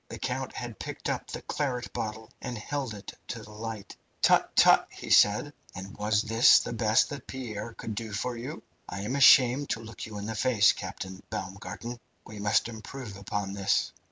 The count had picked up the claret bottle and held it to the light. "Tut! tut!" said he. "And was this the best that Pierre could do for you? I am ashamed to look you in the face, Captain Baumgarten. We must improve upon this."